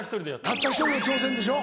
たった１人の挑戦でしょ？